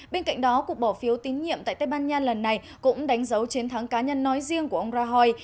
bên cạnh đó cuộc bỏ phiếu tín nhiệm tại tây ban nha lần này cũng đánh dấu chiến thắng cá nhân nói riêng của ông rahoi